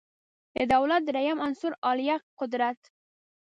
د دولت دریم عنصر عالیه قدرت